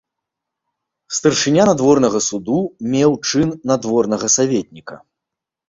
Старшыня надворнага суду меў чын надворнага саветніка.